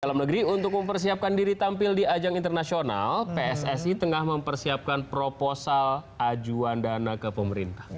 dalam negeri untuk mempersiapkan diri tampil di ajang internasional pssi tengah mempersiapkan proposal ajuan dana ke pemerintah